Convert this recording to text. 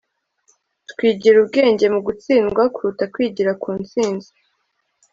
twigira ubwenge mu gutsindwa kuruta kwigira ku ntsinzi